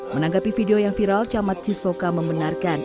menanggapi video yang viral camat cisoka membenarkan